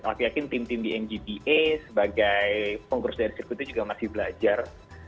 aku yakin tim tim di mgpa sebagai pengurus dari sirkuit itu juga masih belajar